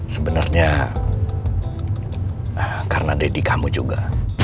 sebenarnya karena deddy kamu juga